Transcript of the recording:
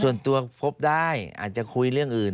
ส่วนตัวพบได้อาจจะคุยเรื่องอื่น